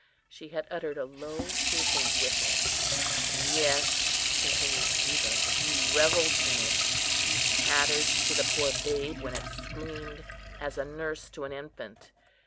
She had uttered a low piercing whistle. "Yes!" continued Juba, "you revelled in it. You chattered to the poor babe when it screamed, as a nurse to an infant.